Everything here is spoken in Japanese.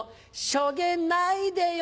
しょげないでよ